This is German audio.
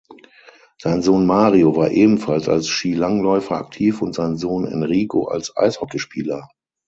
Sein Sohn Mario war ebenfalls als Skilangläufer aktiv und sein Sohn Enrico als Eishockeyspieler.